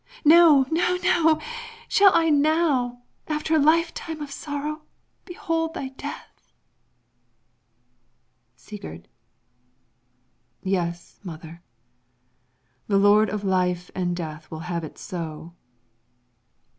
No! No! Shall I now, after a lifetime of sorrow, behold thy death? Sigurd Yes, mother. The Lord of life and death will have it so.